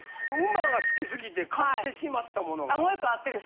馬が好きすぎて買ってしまったものがある。